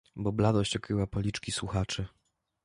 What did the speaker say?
"Bo bladość okryła policzki słuchaczy."